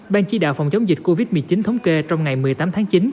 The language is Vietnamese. ban chỉ đạo phòng chống dịch covid một mươi chín thống kê trong ngày một mươi tám tháng chín